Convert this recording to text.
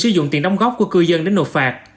sử dụng tiền đóng góp của cư dân đến nộp phạt